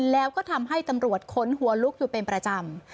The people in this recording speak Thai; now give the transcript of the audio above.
แล้วก็ทำให้ตำรวจค้นหัวลุกอยู่เป็นประจำ